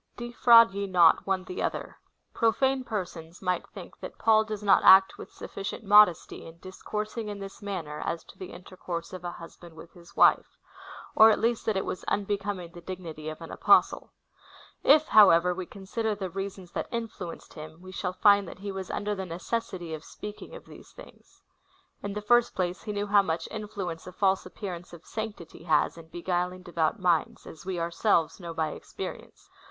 5. Defi^QAid ye not one the other. Profane persons might think that Paul does not act with sufficient modesty in dis coursing in this manner as to the intercourse of a husband with his wife ; or at least that it was unbecoming the dignity of an Apostle. If, however, we consider the reasons that influenced him, we shall find that he was under the necessity of speaking of these things. In the first place, he knew how much influence a false appearance of sanctity has in beguil ing devout minds, as Ave ourselves know by experience.